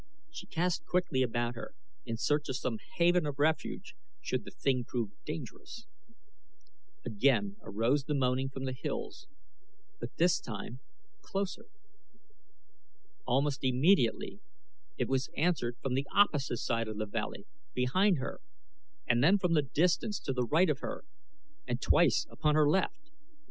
She cast quickly about her in search of some haven of refuge should the thing prove dangerous. Again arose the moaning from the hills, but this time closer. Almost immediately it was answered from the opposite side of the valley, behind her, and then from the distance to the right of her, and twice upon her left.